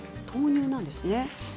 豆乳なんですね。